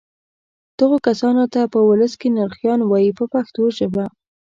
دغو کسانو ته په ولس کې نرخیان وایي په پښتو ژبه.